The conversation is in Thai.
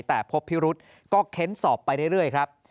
แต่พบพิรุษก็เค้นสอบไปเรื่อยครับ